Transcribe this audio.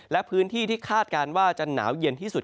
และพื้นที่ที่คาดการณ์ว่าจะหนาวเย็นที่สุด